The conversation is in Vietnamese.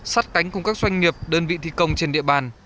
sát cánh cùng các doanh nghiệp đơn vị thi công trên địa bàn